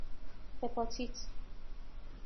هیپاتیت